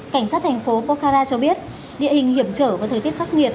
cảnh sát thành phố pokhara cho biết địa hình hiểm trở và thời tiết khắc nghiệt